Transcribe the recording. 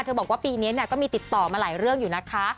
บอกว่าปีนี้ก็มีติดต่อมาหลายเรื่องอยู่นะคะ